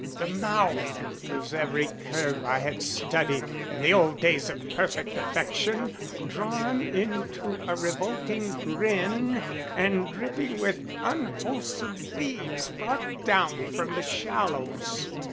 The mouth, whose every curve I had studied in the old days of perfect affection, drawn into a revolting grin and dripping with unwholesome weeds brought down from the shallows.